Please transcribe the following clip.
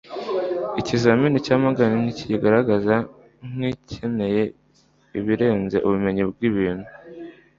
Ikizamini cya Morgan ntikigaragara nkikeneye ibirenze ubumenyi bwibintu